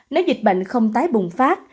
nếu dịch bệnh không tái bùng phát